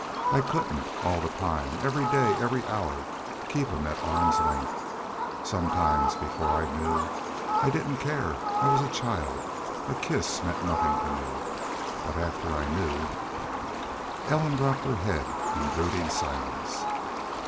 I couldn't all the time every day, every hour keep him at arm's length. Sometimes before I knew I didn't care. I was a child. A kiss meant nothing to me. But after I knew " Ellen dropped her head in brooding silence.